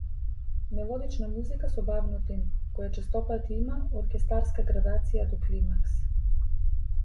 Мелодична музика со бавно темпо, која честопати има оркестарска градација до климакс.